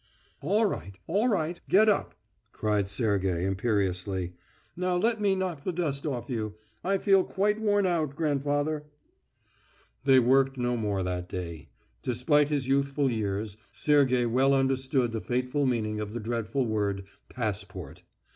"All right, all right. Get up!" cried Sergey imperiously. "Now let me knock the dust off you. I feel quite worn out, grandfather." They worked no more that day. Despite his youthful years, Sergey well understood the fateful meaning of the dreadful word "passport."